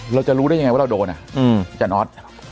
เราจะรู้ได้ยังไงว่าเราโดนจาน็อต